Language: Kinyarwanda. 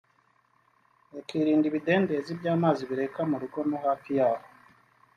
akirinda ibidendezi by’amazi bireka mu rugo no hafi yahoo